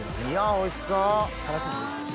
おいしそう！